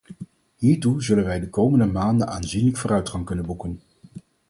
Hiertoe zullen wij de komende maanden aanzienlijke vooruitgang kunnen boeken.